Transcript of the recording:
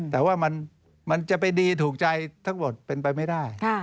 แต่ว่ามันจะไปดีถูกใจทั้งหมดเป็นไปไม่ได้